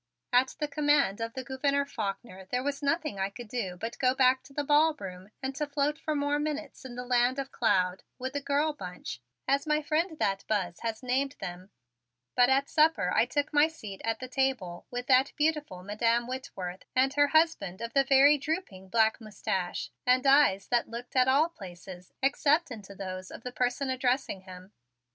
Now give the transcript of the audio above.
At the command of the Gouverneur Faulkner there was nothing I could do but go back to the ballroom and to float for more minutes in the land of cloud with the "girl bunch," as my friend that Buzz has named them; but at supper I took my seat at the table with that beautiful Madam Whitworth and her husband of the very drooping black mustache and eyes that looked at all places except into those of the person addressing him.